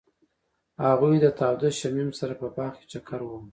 هغوی د تاوده شمیم سره په باغ کې چکر وواهه.